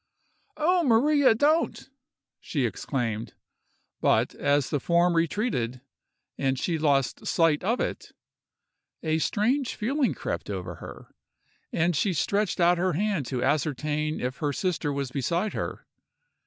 "Oh, Maria, don't!" she exclaimed; but as the form retreated, and she lost sight of it, a strange feeling crept over her, and she stretched out her hand to ascertain if her sister was beside her.